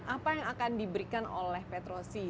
apa yang akan diberikan oleh petrosi